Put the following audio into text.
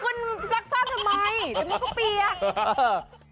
คุณซักพร่าวทำไมนึกว่ามันก็เปียก